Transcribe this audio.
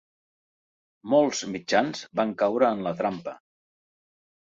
Molts mitjans van caure en la trampa.